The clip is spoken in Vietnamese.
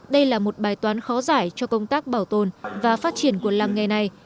đây là một bài toán khó giải cho công tác bảo tồn và phát triển của làng nghề này